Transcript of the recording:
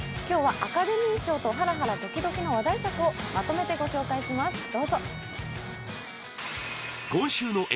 今日はアカデミー賞とハラハラドキドキの話題作をまとめてご紹介します。